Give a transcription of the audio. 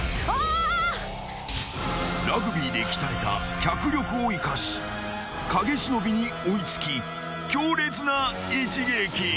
［ラグビーで鍛えた脚力を生かし影忍に追い付き強烈な一撃］